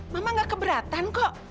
mama gak keberatan kok